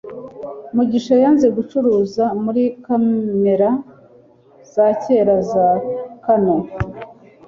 Mugisha yanze gucuruza muri kamera za kera za Canon